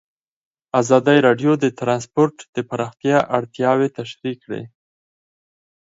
ازادي راډیو د ترانسپورټ د پراختیا اړتیاوې تشریح کړي.